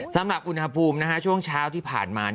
สำหรับอุณหภูมิช่วงเช้าที่ผ่านมา